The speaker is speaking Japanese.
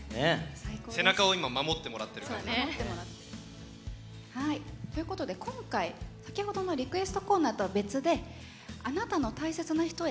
背中を今守ってもらってる感じだね。ということで今回先ほどのリクエストコーナーとは別で「あなたの大切な人へ」